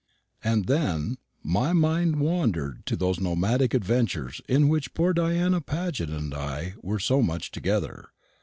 And then my mind wandered to those nomadic adventures in which poor Diana Paget and I were so much together.